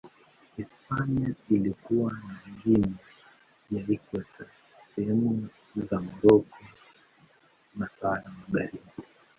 Hispania ilikuwa na Guinea ya Ikweta, sehemu za Moroko na Sahara Magharibi.